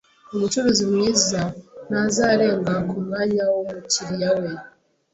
Umucuruzi mwiza ntazarenga kumwanya wumukiriya we.